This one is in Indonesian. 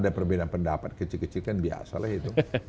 ada perbedaan pendapat kecil kecil kan biasalah itu